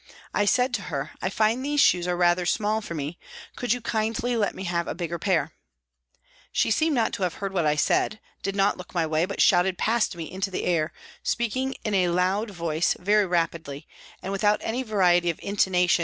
I said to her, " I find these shoes are rather small for me. Could you kindly let me have a bigger pair ?" She seemed not to have heard what I said, did not look my way, but shouted past me into the air, speaking in a loud voice, very rapidly, and without any variety of intonation in a P.